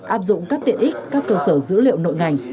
áp dụng các tiện ích các cơ sở dữ liệu nội ngành